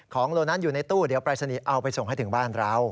โลนั้นอยู่ในตู้เดี๋ยวปรายศนีย์เอาไปส่งให้ถึงบ้านเรา